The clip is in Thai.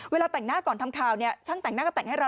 เวลาแต่งหน้าก่อนทำข่าวเนี่ยช่างแต่งหน้าก็แต่งให้เรา